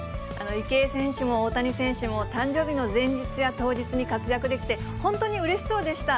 池江選手も大谷選手も、誕生日の前日や当日に活躍できて、本当にうれしそうでした。